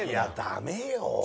ダメよ。